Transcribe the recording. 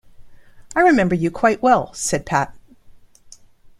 “I remember you quite well,” said Pat.